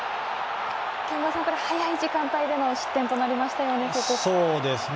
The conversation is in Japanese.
憲剛さん早い時間での失点となりましたよね。